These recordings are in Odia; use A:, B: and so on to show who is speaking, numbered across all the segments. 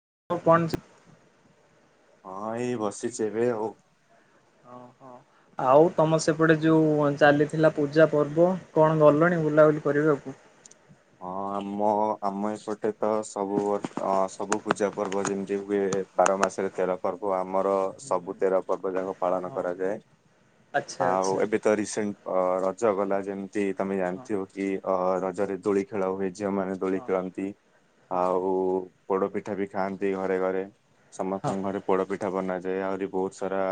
A: [unintelligible]
B: ହଁ ଏଇ ବସିଛି ଏବେ ଆଉ।
A: ଓହୋ। ଆଉ ତମ ସେପଟେ ଯୋଉ ଚାଲିଥିଲା ପୂଜା ପର୍ବ କଣ ଗଲଣି ବୁଲାବୁଲି କରିବାକୁ?
B: ହଁ। ଆମ ଆମ ଏପଟେ ତ ସବୁ ବର୍ ସବୁ ପୂଜା ପର୍ବ ଯେମିତି ହୁଏ ବାର ମା ସେରେ ତେର ପର୍ବ ଆମର ସବୁ ତେର ପର୍ବ ଯାକ ପାଳନ
A: ହଁ
B: କରାଯାଏ
A: ଆଚ୍ଛା
B: ଆଉ
A: ଆଚ୍ଛା
B: ଏବେ ତ ରିସେଣ୍ଟ ରଜ ଗଲା ଯେମିତି ତମେ
A: ହଁ। ହଁ
B: ଜାଣିଥିବ କି? ଅ ରଜରେ ଦୋଳି ଖେଳ ହୁଏ ଝିଅମାନେ ଦୋଳି
A: ହଁ
B: ଖେଳନ୍ତି ଆଉ ପୋଡ ପିଠା ବି ଖାଆନ୍ତି ଘରେ ଘରେ,
A: ହଁ ହଁ
B: ସମସ୍ତଙ୍କ ଘରେ ପୋଡ ପିଠା ବନା ଯେ ଆହୁରି ବହୁତ ସାରା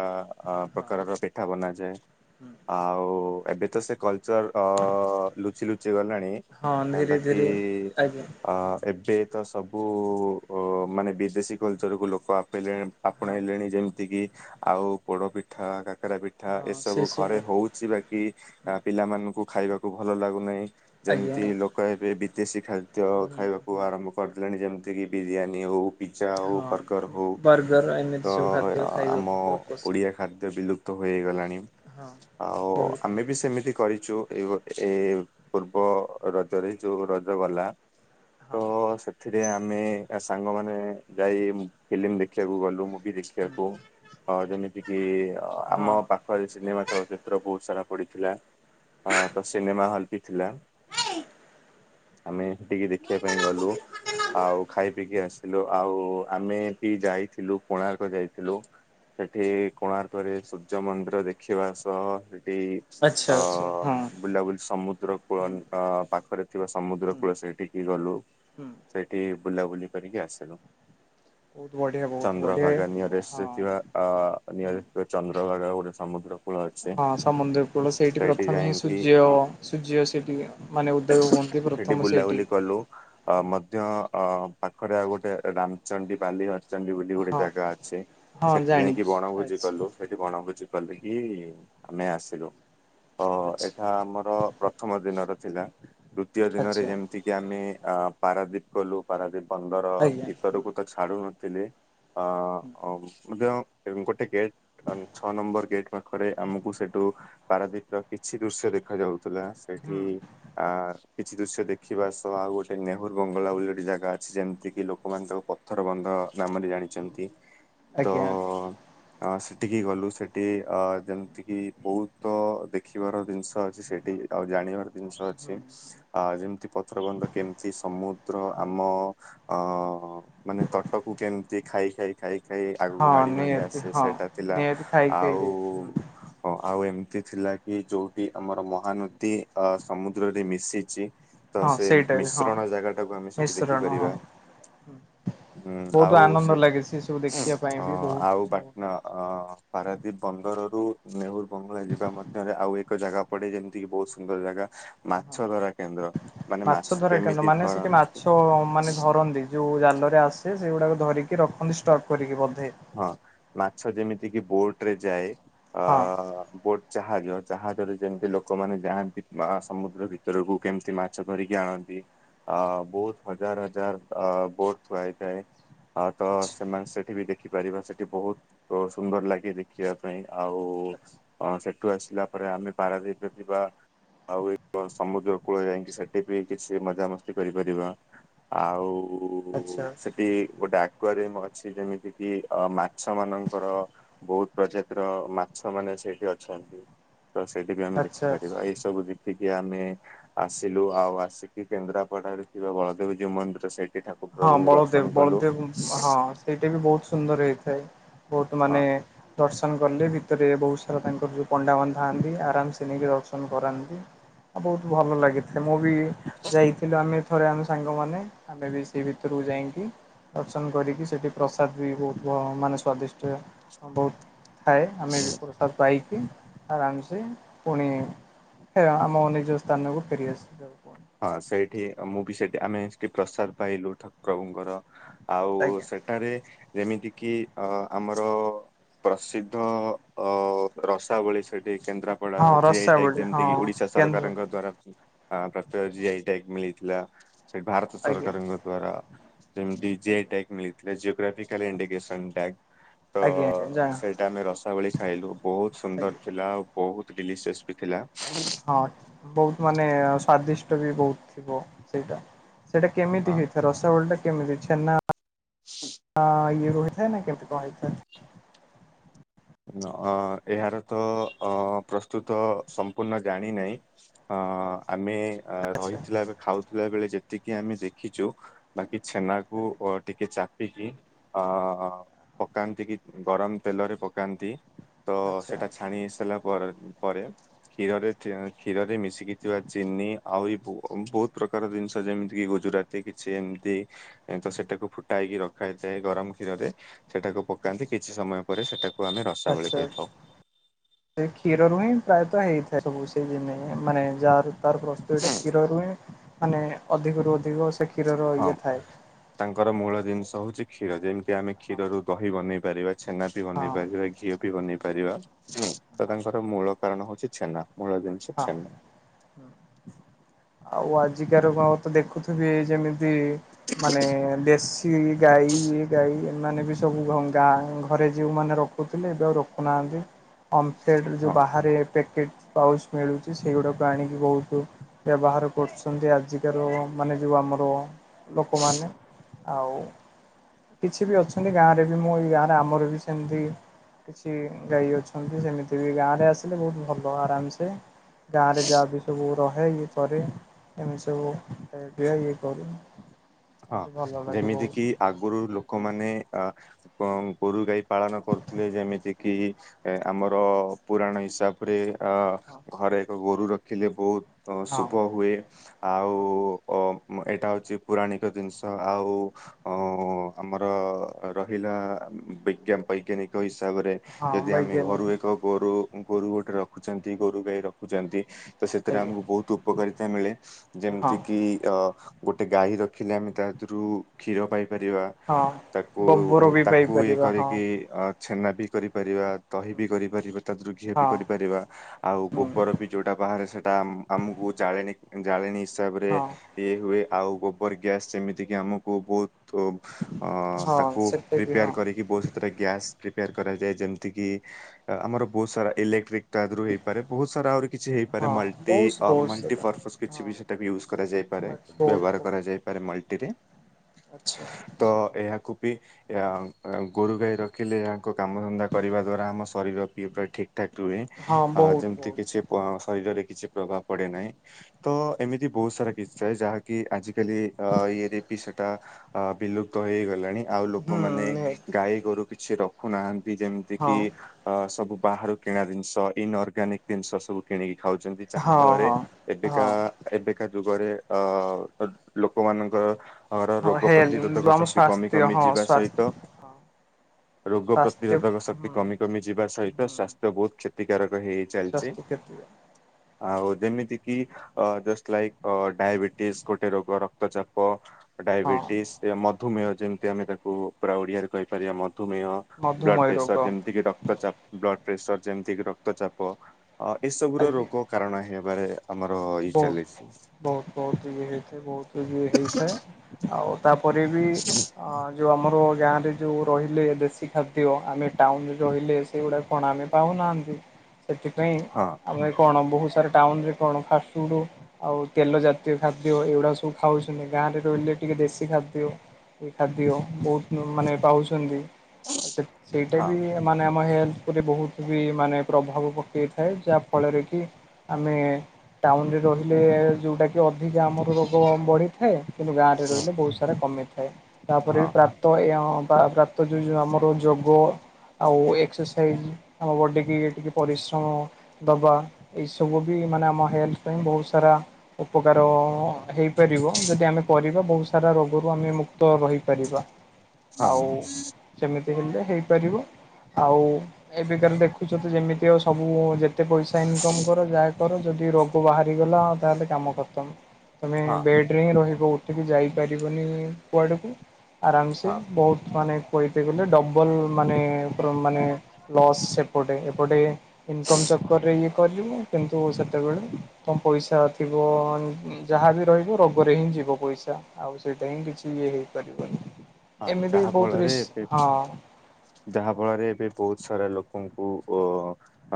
A: ହଁ
B: ପ୍ରକାରର ପିଠା ବନାଯାଏ
A: ହୁଁ।
B: ଆଉ ଏବେ ତ ସେ କଲଚର ଲୁଚି ଲୁଚି ଗଲାଣି
A: ହଁ ଧୀରେ
B: ବାକି
A: ଧୀରେ ଆଜ୍ଞା
B: ଅ ଏବେ ତ ସବୁ ମାନେ ବିଦେଶୀ କଲଚରକୁୁ ଲୋକ ପେଲେମ୍
A: ହଁ
B: ପାକୁଇଲେଣି ଯେମିତି କିି ଆଉ ପୋଡ ପିଠା କାରା ପିଠା
A: ହଁ ସେ
B: ଏସବୁ ଘରେ
A: ସବୁ
B: ହଉଛି ବାକି ଆ ପିଲାମାନଙ୍କୁ ଖାଇବାକୁ ଭଲ ଲାଗୁନାହିଁ।
A: ଆଜ୍ଞା
B: ଯେମିତି
A: ଆଜ୍ଞା
B: ଲୋକ ଏବେ ବିଦେଶୀ ଖାଦ୍ୟ
A: ହୁଁ
B: ଖାଇବାକୁ
A: ହୁଁ
B: ଆରମ୍ଭ କର [unintelligible] ଯେମତି କି ବିରିୟାନି ହଉ ପିଜ୍ଜା ହଉ
A: ହଁ।
B: ବର୍ଗର ହଉ
A: ବର୍ଗର ଏମିତି
B: ତ
A: ସବୁ ଖାଦ୍ୟ
B: ଆମ
A: ଖାଇବାକୁ ବହୁତ ପସନ୍ଦ
B: ଓଡ଼ିଆ ଖାଦ୍ୟ ବିଲୁପ ତୋ ହେଗଲାଣି
A: ହଁ।
B: ଆଉ
A: ବହୁତ
B: ଆମେ ବି ସେମିତି କରିଛୁ ଏଇ ଏ ପୂର୍ବ ରଜରେ ଯୋଉ ରଜ ଗଲା ତ ସେ ଏଥିରେ ଆମେ ସାଙ୍ଗମାନେ ଯାଇ ଫିଲ୍ମ ଦେଖିବାକୁ ଗଲୁ ମୁ ରିଖିବାକୁ ଅ ଯେମିତି କିି ଆମ
A: ହଁ
B: ପାଖ ସିନେମା ଚଳଚିତ୍ର ବହୁତ ସାରା ପଡିଥିଲା ତ ସିନେମା ହଲ ବି ଥିଲା ଆମେ ଟିକେ ଦେଖିବା ପାଇଁ ଗଲୁ
A: ହଁ।
B: ଆଉ ଖାଇ ପିଇକି ଆସ୍ ଇଲୋ ଆଉ ଆମେ ବି ଯାଇଥିଲୁ କୋଣାର୍କ ଯାଇଥିଲୁ ସେଠି କୋଣାର୍କରେ ସୂର୍ଯ୍ୟ ମନ୍ଦିର ଦେଖିବା ସହ ଏ
A: ଆଚ୍ଛା
B: ଅ
A: ଆଚ୍ଛା ହଁ
B: ବୁଲାବୁଲି ସମୁଦ୍ର କୂଳ
A: ହୁଁ
B: ନି ପା କରେ ଥିବା ସମୁଦ୍ର
A: ହୁଁ
B: କୂଳ ସେଇଠିକି ଗଲୁ
A: ହୁଁ
B: ସେଇଠି ବୁଲାବୁଲି କରିକି ଆସିଲୁ।
A: ବହୁତ ବଢ଼ିଆ ବହୁତ ବଢ଼ିଆ
B: ଚନ୍ଦ୍ରଭାଗା
A: ହଁ
B: ନିୟରେଷ ଥିବା ଆ ନିୟ
A: ହୁଁ।
B: ରେ ଚଂ [unintelligible] ଗଟେ ସମୁଦ୍ର। କୂଳ ଅଛି।
A: ହଁ, ସମୁଦ୍ର କୂଳ ସେଇଠି ପ୍ରଥମେ ହିଁ ସୂର୍ଯ୍ୟ-ଅ, ସୂର୍ଯ୍ୟ ସେଠି ମା
B: ସେଠି ବୁଲାବୁଲି କଲୁ। ଅ ମଧ୍ୟ ଅ ପାଖରେ ଆଉ ଗୋଟେ ରାମଚଣ୍ଡୀ ବାଲି ଅ ଚଣ୍ଡି ବୋଲି ଗୋଟେ
A: ହଁ
B: ଜାଗା ଅଛି।
A: ହଁ
B: ସେଠି ଯାଇଁକି
A: ଜାଣିଛି।
B: ବଣଭୋଜି
A: ଆଚ୍ଛା
B: କଲୁ। ହେଠି ବଣଭୋଜି କଲୁ କି ଆମେ ଆସିଲୁ। ତ
A: ଆଚ୍ଛା
B: ଏଠା ଆମର ପ୍ରଥମ ଦିନର ଥିଲା ଦ୍ୱତୀୟ ଦିନରେ
A: ଆଚ୍ଛା
B: ଯେମିତିକି ଆମେ ଆ ପାରାଦ୍ଵୀପ କଲୁ ପାରାଦ୍ଵୀପ ପନ୍ଦର
A: ଆଜ୍ଞା ହୁଁ
B: ଭିତରକୁ ତ ଛାଡୁନଥିଲେ। ଅ ମଧ୍ୟ ଗୋଟେ ଗେଟ୍ ଛଅ ନମ୍ବର ଗେଟ୍ ପାଖରେ, ଆମକୁ ସେଠୁ ପାରାଦ୍ୱୀପର କିଛି ଦୃଶ୍ୟ ଦେଖାଯାଉ ଥୁଲା
A: ହୁଁ
B: ସେଇଠି କିଛି ଦୃଶ୍ୟ ଦେଖିବା ସହ ଆଉ, ଗୋଟେ ନେହୁର ବଙ୍ଗଳା ବୋଲି ଗୋଟେ ଜାଗା ଅଛି, ଯେମିତି କିି ଲୋକମାନେ ତାଙ୍କ ପଥର ବନ୍ ଧ ନାମରେ ଜାଣିଛନ୍ତି। ତ
A: ଆଜ୍ଞା।
B: ଅ ସେଠିକି ଗଲୁ। ସେଠି ଅ ଯେମିତି କିି, ବହୁତ ଦେଖିବାର ଦିନଷ ଅଛି। ସେଠି ଆଉ ଜାଣିବାର ଦିନଷ ଅ
A: ହୁଁ
B: ସି। ଆ ଯେମତି ପଥରବନ୍ଧ କେମତି ସମୁଦ୍ର
A: ହୁଁ
B: ଆମ ଅଁ ମାନେ ତଟକୁ କେମିତି, ଖାଇ ଖାଇ ଖାଇ ଖାଇ ଆଗକୁ
A: ହଁ
B: ମାଡି ମାଡି
A: ନିହାତି
B: ଆସେ
A: ହଁ
B: ସେଇଟା ଥିଲା।
A: ନିହାତି ଖାଇ
B: ଆଉ
A: ଖାଇକି
B: ଆଉ ଏମ୍ ଥି ଥିଲା କି? ଯୋଉଟି ଆମର ମହାନଦୀ ଅ ସମୁଦ୍ରରେ ମିଶିଛି। ତ
A: ହଁ
B: ସେ
A: ସେଇଟା ବି ହଁ
B: ମିଶ୍ରଣ ଜାଗା ଟାକୁ ଆମେ ସେଠି ଦେଖିପାରିବା।
A: ହୁଁ।
B: ଉଁ ଆଉ, ସେ
A: ଦେଖିବା ପାଇଁ ବି
B: ଅଁ,
A: ବହୁତ
B: ଆଉ
A: ବହୁତ
B: ପାଟନା ଅଁ ପାରାଦୀପ ବନ୍ଦରରୁ ରୁ ନେହୁର ବଙ୍ଗଳା ଯିବା ମଧ୍ୟରେ ଆଉ ଏକ ଜାଗା ପଡେ। ଯେମିତି କି ବହୁତ ସୁନ୍ଦର ଜାଗା!
A: ହଁ,
B: ମାଛ ଧରା କେନ୍ଦ୍ର ମାନେ
A: ମାଛ ଧରା କେନେ?
B: କେମିତି
A: ମାନେ, ସେଠି
B: ଧରନ୍ତି
A: ମାଛ ମାନେ ଧରନ୍ତି। ଯୋଉ ଜାନ ତାରେ ଆସେ। ସେଗୁଡାକ ଧରିକି ରଖନ୍ତି ଷ୍ଟକ୍ କରିକି ବଧ
B: ହଁ, ମାଛ ଯେମିତି କିି ବୋଟ ରେ ଯାଏ।
A: ହଁ
B: ଅ-ଅ ବୋଟ ଯାହା ଜାହାଜ ଜାହାଜରେ ଯେମିତି ଲୋକମାନେ ଯାଆନ୍ତି। ସମୁଦ୍ର ଭିତରକୁ କେମିତି ମାଛ ଧରିକି ଆଣନ୍ତି! ଅ ବହୁତ ହଜାର ହଜାର ଅ ବୋଟ ଥୁଆହେଇଥାଏ। ଆ, ତ
A: ଆଚ୍ଛା
B: ସେମାନେ ସେଠି ବି ଦେଖିପାରିବା, ସେଠି ବହୁତ ଉ ସୁନ୍ଦର ଲାଗେ ଦେଖିବା ପାଇଁ। ଆଉ
A: ଆଚ୍ଛା
B: ସେଠୁ ଆସିଲା ପରେ, ଆମେ ପାରାଦୀପରେ ଥିବା ଆଉ, ଏକ ସମୁଦ୍ର କୂଳ ଯାଇଁକି ସେଠି ବି କିଛି ମଜାମସ୍ତି କରିପାରିବା। ଆଉ ଉ-ଉ
A: ଆଚ୍ଛା
B: ସେଠି ଗୋଟେ ଆକ୍ୱାରିୟମ୍ ଅଛି। ଯେମିତି କି ଅ ମାଛ ମାନଙ୍କର ବହୁତ ପ୍ରଜାତିର ମାଛ ମାନେ ସେଇଠି ଅଛନ୍ତି। ତ ସେଇଠି ବି ଆମେ
A: ଆଚ୍ଛା।
B: ଦେଖିପାରିବା। ଏଇ ସବୁ ବି ଏଠିକି ଆମେ ଆସିଲୁ। ଆଉ ଆସିକି କେନ୍ଦ୍ରାପଡାରେ ଥିବା ବଳଦେବ ଜୀଉ ମନ୍ଦିର ସେଠ୍
A: ହଁ, ବଳଦେବ! ବଳଦେବ ହଁ ସେଇଟା ବି ବହୁତ ସୁନ୍ଦର ହେଇଥାଏ। ବହୁତ ମାନେ
B: ହଁ।
A: ଦର୍ଶ ଦର୍ଶନ କଲେ। ଭିତରେ ବହୁତ ସାରା ତାଙ୍କର ଯେଉଁ ପଣ୍ଡା ମାନ ଥାଆନ୍ତି, ଆରାମ ସେ ନେଇକି ଦର୍ଶନ କରନ୍ତି। ଆ ବହୁତ ଭଲ ଲାଗିଥି, ମୁଁ ବି ଯାଇଥିଲି। ଆମେ ଥରେ ଆମେ ସାଙ୍ଗମାନେ ଆମେ ବି ସ ସେ ଭିତରକୁ ଯାଇଁକି ଦର୍ଶନ କରିକି, ସେଠି ପ୍ରସାଦ ବି ବହୁତ ମାନେ ସ୍ଵାଦିଷ୍ଟ ବହୁତ ଥାଏ। ଆମେ ବି ପ୍ରସାଦ ପାଇକି, ଆରାମସେ ପୁଣି ଫେର୍ ଆମ ନିଜ ସ୍ଥାନକୁ ଫେରିଆସିଲୁ। କ
B: ହଁ, ସେଇଠି ମୁଁ ବି ସେଠି ଆମେ ସେଠି ପ୍ରସାଦ ପାଇଲୁ ଠାକ୍ ପ୍ରଭୁଙ୍କର। ଆଉ
A: ଆଜ୍ଞା
B: ସେଠାରେ ଯେମିତି କିି ଅ-ଆମର ପ୍ରସିଦ୍ଧ-ଅ- ରସାବଳୀ ସେଇଠ ସେଇ
A: ହଁ
B: କେନ୍ଦ୍ରାପଡାର ଜି ଆଇ ଟ୍ୟାଗ
A: ରସାବଳି ହଁ
B: ଯେମିତି କି ଓଡିଶା ସରକାରଙ୍କ
A: କେନ୍ଦ୍ରାପଡ଼ା।
B: ଦ୍ଵାରା ଅ ପ୍ରା ପ୍ରାୟ ଜି ଆଇ ଟ୍ୟାଗ ମିଳିଥିଲା, ସେଇ ଭାରତ
A: ଆଜ୍ଞା
B: ସରକାରଙ୍କ ଦ୍ଵାରା। ଯେମତି ଜି ଆଇ
A: ଆଜ୍ଞା
B: ଟ୍ୟାକ୍ ମିଳିଥିଲା। Geographical indication tag.
A: ଆଜ୍ଞା ଆଜ୍ଞା ଯା
B: ତ-ଅ ସେଇଟା ଆମେ ରସାବଳି ଖାଇଲୁ ବହୁତ ସୁନ୍ଦର
A: ଆଜ୍ଞା
B: ଥିଲା। ଆଉ ବହୁତ ଡଲିସିୟସ୍ ବି ଥିଲା।
A: ହଁ, ବହୁତ ମାନେ ସ୍ଵାଦିଷ୍ଟ ବି ବହୁତ ଥିବ, ସେଇଟା। ସେଇଟା କେମିତି
B: ହଁ।
A: ହେଇଥା ରସଗୋଳ ଟା କେମିତି ଛେ ନା ଇଏ ରହିଥାଏ ନା କଣ କେମିତି ହେଇଥାଏ?
B: ଅ ଏହାର ତ ଅ ପ୍ରସ୍ତୁତ ସମ୍ପୂର୍ଣ୍ଣ ଜାଣି ନାହିଁ ହ ଆମେ
A: ଆଚ୍ଛା
B: ରହିଥିଲେ ଆମ ଖାଉ ବଳେ ଯେତିକି ଆମେ ଦେଖିଛୁ ବାକି ଛେନାକୁ ଟିକେ ଚାପିକି ପକାନ୍ତି କି ଗରମ ତେଲରେ ପକାନ୍ତି ତ
A: ଆଚ୍ଛା ଆଚ୍ଛା
B: ସେଟା ଛାଣି ସାରିଲା ପରେ ପରେ କ୍ଷୀରରେ କ୍ଷୀରରେ ମିଶିକି ଥିବା ଚିନି ଆଉରି ବହୁତ ପ୍ରକାର ଜିନିଷ ଯେମିତି କି ଗୁଜୁରାତି କିଛି ଏମିତି ତ ସେଟାକୁ ଫୁଟାଇକି ରଖା ହୋଇଥାଏ, ଗରମ କ୍ଷୀରରେ ସେଟାକୁ ପକାନ୍ତି କିଛି ସମୟ ପରେ ସେଟାକୁ ଆମେ ରସାବଳି
A: ଆଛା, ଛା।
B: କହିଥାଉ।
A: ସେ କ୍ଷୀରରୁୁ ହିଁ ପ୍ରାୟତଃ ହେଇଥା [unintelligible] ମାନେ ଯା ତାର ପ୍ରସ୍ତୁତିା କ୍ଷୀରରୁ ହଁ ମାନେ ଅଧିକରୁ ଅଧିକ ସେ କ୍ଷୀରର
B: ହଁ
A: ଇଏ ଥାଏ।
B: ତାଙ୍କର ମୂଳ ଜିନିଷ ହଉଛି କ୍ଷୀର ଯେମିତି ଆମେ
A: ହଁ
B: କ୍ଷୀରରୁ ଦହି ବନେଇ ପାରିବା ଛେନା, ବି ବନେଇ
A: ହଁ
B: ପାରିବା ଘିଅ ବି ବନେଇ ପାରିବା ପାରିବା ତ
A: ହଁ
B: ତାଙ୍କର ମୂଳ କାରଣ ହଉଛି ଛେନା ମୂଳ ଜିନିଷ
A: ହଁ।
B: ଛେନା।
A: ଆଉ ଆଜିକାର କଣ ତ ଦେଖୁଥିବି ଯେମିତି ମାନେ ବେଶ ସେ ଗାଇ ଏଇ ଗାଇ ମାନେ ବି ସବୁ ଗଙ୍ଗା ଘରେ ଯଉମାନେ ରଖୁଥିଲେ, ଏବେ ଆଉ ରଖୁନାହାନ୍ତି ଓମ୍ଫ୍ଲେଟ ଯେଉଁ
B: ହଁ
A: ବାହାରେ ପ୍ୟାକେଟ୍ ପାଉ ମିଳୁଛି ସେଗୁଡ଼ାକୁ ଆଣିକି ବହୁତ ବ୍ୟବହାର କରୁଛନ୍ତି, ଆଜିକାର ମାନେ ଯେଉଁ ଆମର ଲୋକମାନେ ଆଉ କିଛି ବି ଅଛନ୍ତି ଗାଁ ରେ ବି ମୁଁ ଏଇ ଗାଁରେ ଆମର ବି ସେମିତି କିଛି ଗାଈ ଅଛନ୍ତି ସେମିତି ବି ଗାଁ ରେ ଆସିଲେ ବହୁତ ଭଲ ଆରାମସେ ଗାଁ ରେ ଯାହା ବି ସବୁର ଏହା ଇଏ କରେ ଏମି ସବୁ ଇଏ କରୁ
B: ହଁ
A: ଏମିତି ଭଲ ଲାଗେ
B: ଯେମିତି
A: ବହୁତ
B: କିି ଆଗରୁ ଲ ଲୋକମାନେ ଅ ଗୋରୁ ଗାଈ ପାଳନ କରୁଥିଲେ, ଯେମିତି କିି ଆମର ପୁରାଣ ହିସାବ ରେ ଅ
A: ହଁ
B: ଘରେ ଏକ ଗୋରୁ ରଖିଲେ ବହୁତ
A: ହଁ
B: ଶୁଭ ହୁଏ ଆଉ
A: ହଁ
B: ଅ ଏଇଟା ହଉଛି ପୁରଣିକ ମୁ ଜିନିଷ ଆଉ ଆମର ରହିଲା୍ ବୈଜ୍ଞାନିକ ହସାବରେ ହିସାବରେ
A: ହଁ
B: ଯଦି ଆମେ ଘରୁ
A: ବୈଜ୍ଞାନିକ
B: ଏକ ଗୋରୁ ଗୋରୁ ଗୋଟେ ରଖୁଛନ୍ତି ଗୋରୁ ଗାଈ ରଖୁଛନ୍ତି ତ ସେଥିରେ ଆମକୁ
A: ଆଜ୍ଞା
B: ବହୁତ ଉପକାରିତା ମିଳେ
A: ହଁ
B: ଯେମିତି କିି ଅ ଗୋଟେ ଗାଈ ର ଖଲେ ଆମେ ତାରୁ କ୍ଷୀର ପାଇ
A: ହଁ
B: ତାକୁ
A: ଗୋବର ବି
B: ତାକୁ ଇ
A: ପାଇପାରିବା ହଁ
B: କରିକି ଛେନା ବି କରିପାରିବା ଦହି ବି କରିପାରିବା ତାଦୁ ଘିଅ ବି
A: ହଁ
B: କରିପାରିବା ଆଉ
A: ହୁଁ
B: ଗୋବର ବି ଯଉଟା ବାହାରେ ସେଟା ଆମକୁ ଜାଳେଣି ଜାଳେଣୀ ହିସାବ ରେ
A: ହଁ
B: ଇଏ ହୁଏ ଆଉ ଗୋବର ଗ୍ୟାସ ସେମିତି କିି ଆମକୁ ବହୁତ ତ
A: ହଁ
B: ତାକୁ
A: ସେଟା ବି ହଁ
B: ପ୍ରିପେୟାର କରିକି ବହୁତ ସେଥିରେ ଗ୍ୟାସ୍ ପ୍ରିପେୟାର କରାଯାଏ, ଯେମିତିକି ଆମର ବହୁତ ସାରା ଇଲେକ୍ଟ୍ରିକ ତାଦହରୁ ହେଇପାରେ ବହୁତ ସାରା ଆହୁରି କିଛି, ହେଇପାରେ
A: ହଁ
B: ମଲ୍ଟି
A: ବହୁତ ବହୁତ ସେଟା
B: ମଲ୍ଟିପର୍ପସ୍ କିଛି
A: ହଁ
B: ବି ସେଇଟାକୁ ୟୁଜ୍ କରାଯାଏ
A: ବହୁତ
B: ବ୍ୟବହାର
A: ବହୁତ
B: କରାଯାଇପାରେ ମଲଟିରେ
A: ଆଚ୍ଛା।
B: ବି ଗୋରୁ ଗାଈ ରଖିଲେଙ୍କ କାମଧନ୍ଦା କରିବା ଦ୍ଵାରା ଆମ ଶରୀର ପୁରା ଠିକ୍ କ୍ଏ
A: ହଁ ବହୁତ
B: ଯେମିତି
A: ବହୁତ
B: କିଛି ଶରୀରରେ କିଛି ପ୍ରଭାବ ପଡେ ନାହିଁ ତ ଏମିତି ବହୁତ ସାରା କିଛି ଥାଏ ଯାହାକି ଆଜି ଖାଲି ଇଏରେ ପି ସେଟା ବିଲୁପ୍ତ ହେଇଗଲାଣି ଆଉ ଲୋକମାନେ
A: ହୁଁ
B: ଗାଈ ଗୋରୁ କିଛି ରଖୁନାହାନ୍ତି ଯେମିତି
A: ହଁ
B: କିି ଅ ସବୁ ବାହାରୁ କିଣା ଜିନିଷ ଇନ ଅର୍ଗାନିକ ଜିନିଷ ସବୁ କିଣିକି ଖାଉଛନ୍ତି ଯାହା
A: ହଁ
B: ଫଳରେ
A: ହଁ
B: ଏବେକା
A: ହଁ
B: ଏବେକା ଯୁଗରେ ଅ ଲୋକମାନଙ୍କର ଘର
A: ହଁ
B: ରୋଗ
A: ହେ
B: ପ୍ରତିରୋଧକ
A: ଆମ
B: ଶକ୍ତି କମି
A: ସ୍ୱାସ୍ଥ୍ୟ
B: କମି
A: ହଁ
B: ଯିବା
A: ସ୍ୱାସ୍ଥ୍ୟ
B: ସହିତ
A: ହଁ
B: ରୋଗ
A: ସ୍ୱାସ୍ଥ୍ୟ
B: ପ୍ରତିରୋଧକ ଶକ୍ତି
A: ହୁଁ
B: କମି କମି ଯିବା ସହିତ,
A: ହୁଁ
B: ଶ୍ୱସ୍ଥ୍ୟ ବହୁତ କ୍ଷତିକାରକ ହେ ଚାଲଛି
A: ସ୍ୱାସ୍ଥ୍ୟ କ୍ଷେତ୍ରରେ
B: ଆଉ ଯେମିତି କି ଜଷ୍ଟ ଲାଇକ୍ ଡାୟବେଟିସ୍ ଗୋଟେ ରୋଗ ରକ୍ତଚାପ
A: ହଁ
B: ଡାଇବେଟିସ୍ ମେହ ଯେମିତି ଆମେ ତାକୁ ପା ଓଡିଆରେ କହିପାରିବା ମଧୁ ମେୟ ବ୍ଲଡ
A: ମଧୁମେହ ରୋଗ
B: ପ୍ରେସର ଯେମିତିକି, ରକ୍ତ ଚାପ ବ୍ଲଡ ପ୍ରେସର ଯେମିତିକି ରକ୍ତଚାପ ଅ ଏସବୁର
A: ଆଜ୍ଞା
B: ରୋଗ କାରଣ ହେଇବାରେ
A: ବହୁତ ବହୁତ ବହୁତ ମ ବହୁତ ଇଏ ହେଇଥାଏ ଆଉ ତାପରେ ବି ଯଉ ଆମର ଗାଁ ରେ ଯଉ ରହିଲେ, ଦେଶୀ ଖାଦ୍ୟ ଆମେ ଟାଉନରେ ରହିଲେ ସେଇଗୁଡାକ କଣ ଆମେ ପାଉନୁ ସେଥିପାଇଁ
B: ହଁ
A: ଆମେ କଣ ବହୁ ସାରା ଟାଉନରେ କଣା ଆଉ ତେଲ ଜାତୀୟ ଖାଦ୍ୟ ଏଗୁଡା ସବୁ ଖାଉଛୁନି, ଗାଁରେ ରହିଲେ ଟିକେ ଦେଶୀ ଖାଦ୍ୟ ଏ ଖାଦ୍ୟ ବହୁତ ମାନେ ପାଉଛନ୍ତି ଆଉ ସେଇଟା
B: ହଁ
A: ବି ମାନେ ଆମ ହେଲ୍ଥ ଉପରେ ବହୁତ ବି ମାନେ ପ୍ରଭାବ ପକାଇଥାଏ, ଯାହା ଫଳରେ କି ଆମେ ଟାଉନରେ ରହିଲେ ଯେଉଁଟାକି ଅଧିକା ଆମର ରୋଗ ବଢ଼ିଥାଏ କିନ୍ତୁ ଗାଁରେ
B: ହଁ
A: ରହିଲେ ବହୁତ ସାରା କମେଇଥାଏ ତାପରେ ବି ପ୍ରାପ୍ତ ପ୍ରାପ୍ ଯେଉଉ ଆମର ଯୋଗ ଆଉ ଏକ୍ସରସାଇଜ ଆମ ବଡି କି ଟିକେ ପରିଶ୍ରମ ଦବା ଏଇସବୁ ବି ମାନେ ଆମ ହେଲଥ ବହୁତ ସାରା ଉପକାର ହେଇପାରିବ, ଯଦି ଆମେ କରିବା ବହୁତ ସାରା ରୋଗରୁ ଆମେ ମୁକ୍ତ ରହିପାରିବା
B: ହଁ
A: ଆଉ ସେମି ସେ ହେଲେ ହେଇପାରିବ, ଆଉ ଏବେକାର ଦେଖୁଛ ତ ଯେମିତି ଆଉ ସବୁ ଯେ ଏତେ ପଇସା ଇନକମ୍ କର ଯାହା କର ଯଦି ରୋଗ ବାହାରିଗଲା ଆଉ ତାହେଲେ କାମ କରଦମ ତମେ
B: ହଁ
A: ବେଡରେ ହିଁ ରହିବ ଉଠିକି ଯାଇପାରିବନି କୁଆଡେକୁ ଆରାମ ସେ
B: ହଁ
A: ବହୁତ ମାନେ କହି ଗଲେ ଡବଲ ମାନେ ମାନେ ଲସ୍ ସେପଟେ ଏପଟେ ଇନ ଚକରରେ ଇଏ କରିବୁ କିନ୍ତୁ ସେତେବେଳେ ତ ପଇସା ଥିବ ଯାହାବି ରହିବ ରୋଗରେ ହିଁ ଯିବ ପଇସା ଆଉ ସେଇଟା ହିଁ କିଛି ଇଏ ହେଇପାରିବାର
B: ହଁ ଯାହା ଫଳରେ ଏବେ ଯାହା ଫଳରେ ଏବେ ବହୁତ ସାରା ଲୋକ ଲୋକଙ୍କୁ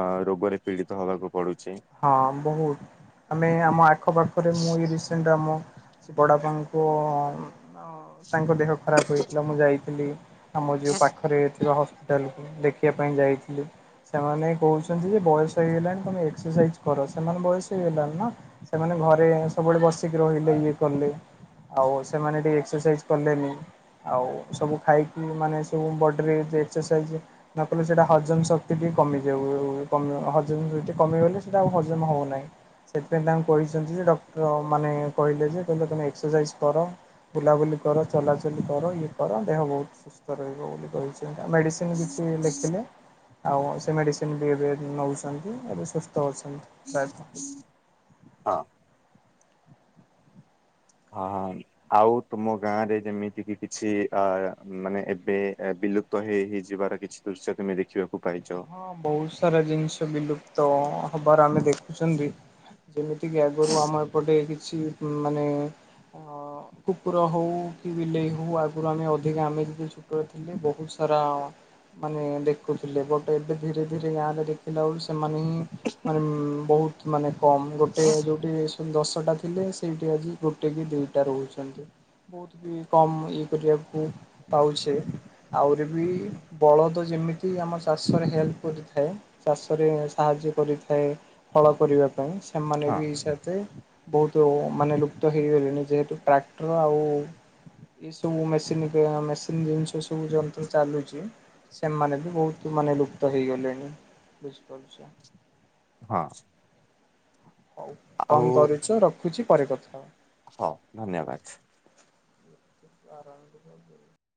B: ଅ ରୋଗରେ ପୀଡିତ ହବାକୁ ପଡୁଛି।
A: ହଁ ବହୁତ ଆମେ ଆମ ଆଖପାଖରେ ମୁଁ ଏ ରସେଣ୍ଟ ଆମ ସେ ବଡାପାଙ୍କୁ ତାଙ୍କ ଦେହ ଖରାପ ହେଇଥିଲା ମୁଁ ଯାଇଥିଲି ଆମ ଯୋଉ ପାଖରେ ଥିବା ହପିଟାଲକୁ ଦେଖିବା ପାଇଁ ଯାଇଥିଲୁ ସେମାନେ କହୁଛନ୍ତି, ଯେ ବୟସ ହେଇଗଲାଣି ତମେ ଏକ୍ସରସାଇଜ କର ସେମାନେ ବୟସ ହେଇଗଲାଣି, ନା ସେମାନେ ଘରେ ସବୁବେଳେ ବସିକି ରହିଲେ ଇଏ କଲେ ଆଉ ସେମାନେ ଟିକେ ଏକ୍ସରସାଇଜ କଲେନି ଆଉ ସବୁ ଖାଇକି ମାନେ ସବୁ ବଡିରେ ଏକ୍ସରସାଇଜ୍ ନ କଲେ ସେଇଟା ହଜମ ଶକ୍ତି ଟିକ କମିଯାଉ ହଜ କମେଇଗଲେ ସେଇଟା ଆଉ ହଜମ ହେବ ନାହିଁ ସେଥିପାଇଁ ତାଙ୍କୁ କହିଛନ୍ତି ଯେ ଡକ୍ଟର ମାନେ କହିଲେ, ଯେ କହିଲେ ତମେ ଏକ୍ସରସାଇଜ କର ବୁଲାବୁଲି କର ଚଲାଚଲି କର ଇଏ କର ଦେହ ବହୁତ ସୁସ୍ଥ ରହିବ ବୋଲି କହିଛି ମେସିନ କିଛି ଲେଖିଲେ ଆଉ ସେ ମେଡିସିନ ବି ଏବେ ନଉଛନ୍ତି ଏ
B: ହଁ।
A: [unintelligible]
B: ହଁ ହଁ ଆଉ ତୁମ ଗାଁ ରେ ଯେମିତି କିି କିଛି ମାନେ ଏବେ ବିଲୁପ୍ତ ହେଇ ହେଇଯିବାର କିଛି ଦୃଶ୍ୟ ତୁମେ ଦେଖିବ?
A: ହଁ ବହୁତ ସାରା ଜିନିଷ ବିଲୁପ୍ତ ହବାର ଆମେ ଦେଖୁଛନ୍ତି ଯେମିତି କିି ଆଗରୁ ଆମ ଏପଟେ କିଛି ମାନେ ଅ କୁକୁର ହଉ କି ବିଲେଇ ହଉ ଆଗରୁ ଆମେ ଅଧିକା ଆମେ ଯି ଛୋଟରେ ଥିଲେ ବହୁତ ମାନେ ଦେଖୁଥିଲେ ଏବେ ଧୀରେ ଧୀରେ ଗାଁରେ ଦେଖିଲା ବଳଳେ ସେମାନେ ହିଁ ମାନେ ବହୁତ ମାନେ କମ ଗୋଟେ ଦଶଟା ଥିଲେ ସେଇଠି ଆଜି ଗୋଟେ କି ଦିଟା ରହୁଛନ୍ତି ବହୁତ ବି କମ ଇଏ କରିବାକୁ ପାଉଛେ ଆହୁରି ବି ବଳଦ ଯ ଏମିତି ଆମ ଚାଷରେ ହେଲ୍ପ କରିଥାଏ ଚାଷରେ ସାହାଯ୍ୟ କରିଥାଏ ଫଳ କରିବା ପାଇଁ ସେମାନେ
B: ହଁ
A: ବିଇସ ବହୁତ ମାନେ ଲୁପ୍ତ ହେଇଗଲେଣି ଯେହେତୁ ଟ୍ରାକ୍ଟର ଆଉ ଏ ସବୁ ମେସିନ ମେସିନ ଜିନିଷ ସବୁ ଯ ଚାଲୁଛି ସେମାନେ ବି ବହୁତ ତୁମାନେ ଲୁପ୍ତ ହେଇଗଲେଣି ବୁଝିପାରୁଛ
B: ହଁ।
A: ହଉ
B: ଆଉ
A: କଣ କରୁଛ ରଖୁଛି ପରେ କଥା ହବା।
B: ହଁ ଧନ୍ୟବାଦ।
A: ଆରାମ